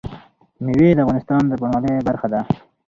مېوې د افغانستان د بڼوالۍ برخه ده.